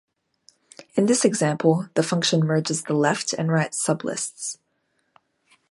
In this example, the function merges the left and right sublists.